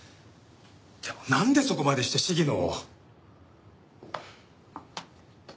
でもなんでそこまでして鴫野を？